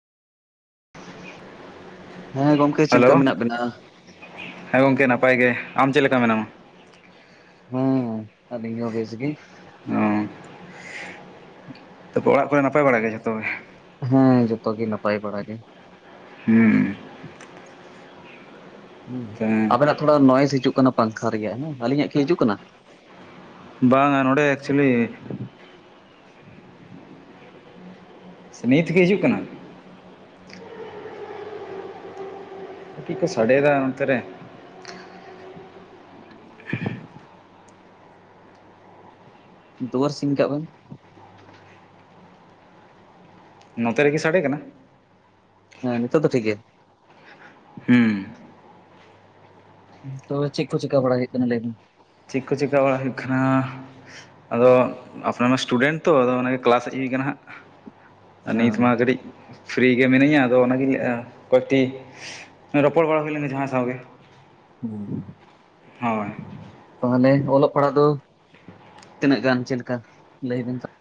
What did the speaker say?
ᱦᱮᱸ ᱜᱚᱝᱠᱮ ᱪᱮᱫ ᱞᱮᱠᱟ ᱦᱮᱞᱳ ᱢᱮᱱᱟᱜ ᱵᱮᱱᱟ? ᱦᱮᱸ ᱜᱚᱢᱠᱮ ᱱᱟᱯᱟᱭ ᱜᱮ ᱟᱢ ᱪᱮᱫ ᱞᱮᱠᱟ ᱢᱮᱱᱟᱢᱟ? ᱦᱩᱸᱚᱦ ᱟᱹᱞᱤᱧ ᱦᱚ ᱵᱮᱥ ᱜᱮ᱾ ᱚᱻ ᱛᱟᱯᱚᱨ ᱚᱲᱟᱜ ᱠᱚᱨᱮ ᱱᱟᱯᱟᱭ ᱵᱟᱲᱟ ᱜᱮ ᱡᱚᱛᱚ ᱜᱮ? ᱦᱮᱸ ᱡᱷᱚᱛᱚ ᱜᱮ ᱱᱟᱯᱟᱭ ᱵᱟᱲᱟ ᱜᱮ᱾ ᱦᱩᱸ ᱦᱮᱸ ᱟᱵᱮᱱᱟᱜ ᱛᱷᱚᱲᱟ ᱱᱚᱭᱮᱥ ᱦᱤᱡᱩᱜ ᱠᱟᱱᱟ ᱯᱟᱝᱠᱷᱟ ᱨᱮᱭᱟᱜ ᱦᱮᱸ᱾ ᱟᱞᱤᱧᱟᱜ ᱠᱤ ᱦᱤᱡᱩᱜ ᱠᱟᱱᱟ? ᱵᱟᱝ ᱱᱚᱰᱮ ᱮᱠᱪᱩᱞᱤ ᱥᱮ ᱱᱤᱛᱜᱮ ᱦᱤᱡᱩᱜ ᱠᱟᱱᱟ? ᱪᱮᱫ ᱠᱳ ᱥᱟᱰᱮᱭᱫᱟ ᱚᱱᱛᱮ ᱨᱮ? ᱫᱩᱣᱟᱹᱨ ᱥᱤᱧ ᱠᱟᱜ ᱵᱮᱱ᱾ ᱱᱚᱛᱮ ᱨᱮᱜᱮ ᱥᱟᱰᱮ ᱠᱟᱱᱟ? ᱦᱮᱸ ᱱᱤᱛᱚᱜ ᱫᱚ ᱴᱷᱤᱠ ᱜᱮ᱾ ᱦᱩᱸ ᱛᱚᱵᱮ ᱪᱮᱫ ᱠᱚ ᱪᱤᱠᱠᱟ ᱵᱟᱲᱟᱭ ᱦᱩᱭᱩᱜ ᱠᱟᱱᱟ ᱞᱟᱹᱭ ᱢᱮ? ᱪᱮᱫ ᱠᱳ ᱪᱮᱠᱟᱹ ᱵᱟᱲᱟ ᱦᱩᱭᱩᱜ ᱠᱟᱱᱟ ᱟᱫᱚ ᱟᱯᱱᱟᱨ ᱢᱟ ᱥᱴᱩᱰᱮᱱᱴ ᱛᱚ ᱟᱫᱚ ᱚᱱᱟᱜᱮ ᱠᱞᱟᱥ ᱤᱧ ᱦᱮᱡ ᱟᱠᱟᱱᱟ ᱦᱟᱸᱜ᱾ ᱱᱤᱛ ᱦᱮᱸ ᱢᱟ ᱠᱟᱹᱴᱤᱡ ᱯᱷᱤᱨᱤ ᱜᱮ ᱢᱤᱱᱟᱹᱧᱟ ᱟᱫᱚ ᱚᱱᱟᱜᱮᱹᱧ ᱞᱟᱹᱭ ᱮᱜᱼᱟ ᱠᱟᱴᱤᱡ ᱨᱚᱯᱚᱲ ᱵᱟᱲᱟ ᱦᱩᱭ ᱞᱮᱱ ᱜᱮ ᱡᱟᱦᱟᱸᱭ ᱥᱟᱶᱜᱮ᱾ ᱦᱩᱸ ᱦᱳᱭ᱾ ᱛᱟᱦᱚᱞᱮ ᱚᱞᱚᱜ ᱯᱟᱲᱦᱟᱜ ᱫᱚ ᱛᱤᱱᱟᱹᱜ ᱜᱟᱱ ᱪᱮᱫᱮᱠᱟ ᱞᱟᱹᱭᱵᱤᱱ ᱛᱚ